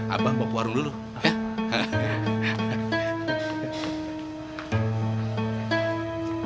abang bawa puarung dulu ya